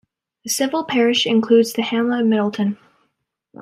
The civil parish includes the hamlet of Middleton.